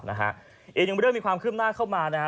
และยังไม่ได้มีความขึ้นหน้าเข้ามานะฮะ